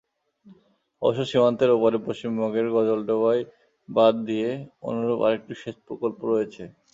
অবশ্য সীমান্তের ওপারে পশ্চিমবঙ্গের গজলডোবায় বাঁধ দিয়ে অনুরূপ আরেকটি সেচ প্রকল্প রয়েছে।